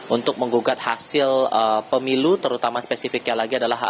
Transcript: untuk menggugat hasil pemilu terutama spesifiknya lagi adalah